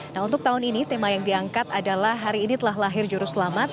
nah untuk tahun ini tema yang diangkat adalah hari ini telah lahir juru selamat